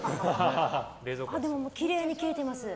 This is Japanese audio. でもきれいに切れてます。